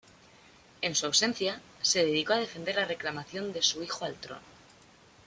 En su ausencia, se dedicó a defender la reclamación de su hijo al trono.